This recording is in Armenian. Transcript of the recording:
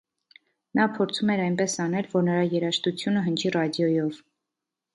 Նա փորձում էր այնպես անել, որ նրա երաժշտությունը հնչի ռադիոյով։